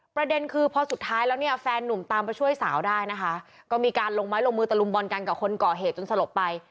ประเด็นคือพอสุดท้ายแล้วเนี่ยแฟนนุ่มตามไปช่วยสาวได้นะคะก็มีการลงไม้ลงมือตะลุมบอลกันกับคนก่อเหตุจนสลบไป